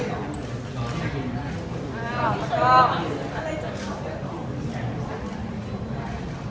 แล้วก็อะไรจะทำ